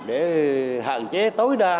để hạn chế tối đa